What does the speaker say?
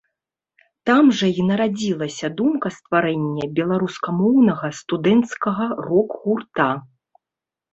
Там жа і нарадзілася думка стварэння беларускамоўнага студэнцкага рок-гурта.